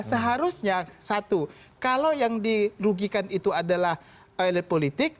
seharusnya satu kalau yang dirugikan itu adalah elit politik